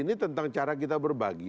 ini tentang cara kita berbagi